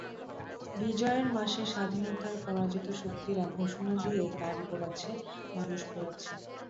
বিজয়ের মাসে স্বাধীনতার পরাজিত শক্তিরা ঘোষণা দিয়েই গাড়ি পোড়াচ্ছে, মানুষ পোড়াচ্ছে।